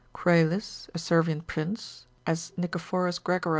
Crales, a Servian prince (as Nicephorus Gregoras Rom.